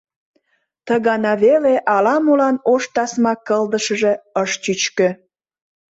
Ты гана веле ала-молан ош тасма кылдышыже ыш чӱчкӧ...